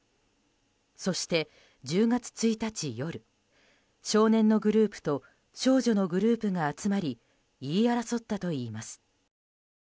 そして１０月１日夜少年のグループと少女のグループが集まり言い争ったといいます。